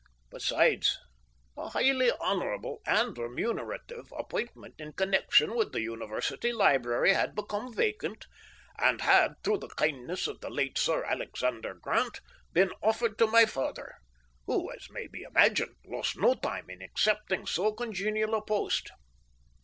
Besides, a highly honourable and remunerative appointment in connection with the University library had become vacant, and had, through the kindness of the late Sir Alexander Grant, been offered to my father, who, as may be imagined, lost no time in accepting so congenial a post.